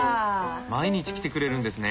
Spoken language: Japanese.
毎日来てくれるんですね。